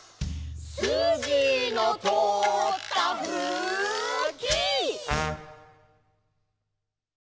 「すじのとおったふき」